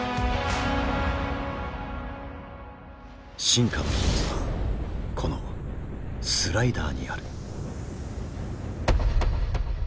進化の秘密はこのスライダーにある。